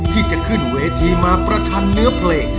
ที่จะขึ้นเวทีมาประชันเนื้อเพลง